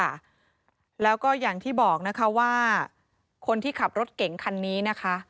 ค่ะแล้วก็อย่างที่บอกนะคะว่าคนที่ขับรถเก่งคันนี้นะคะ